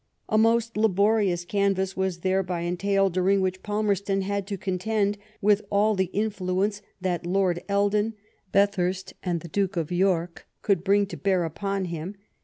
A most laborious canvas was thereby entailed, during which Palmerston hUd to con tend with all the influence that Lord Eldon, Bathurst, and the Duke of York could bring to bear upon him.